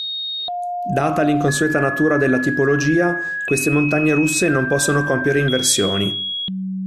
Data l'inconsueta natura della tipologia, queste montagne russe non possono compiere inversioni.